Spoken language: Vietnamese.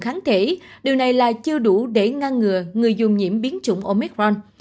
kháng thể điều này là chưa đủ để ngăn ngừa người dùng nhiễm biến chủng omicron